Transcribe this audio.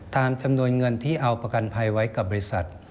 ตามจำนวนเงินที่เอาประกันภัยไว้กับบริษัท